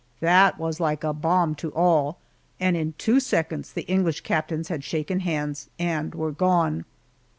That was like a bomb to all, and in two seconds the English captains had shaken hands and were gone.